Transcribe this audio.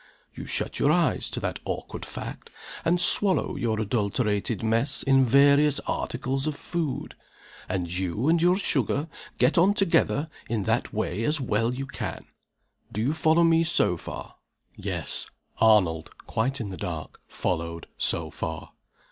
You shut your eyes to that awkward fact, and swallow your adulterated mess in various articles of food; and you and your sugar get on together in that way as well as you can. Do you follow me, so far?" Yes. Arnold (quite in the dark) followed, so far.